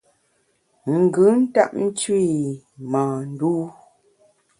Ngùn ntap ntu’w i mâ ndû.